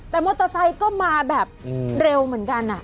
แต่มอเตอร์ไซค์ก็มาแบบเร็วเหมือนกัน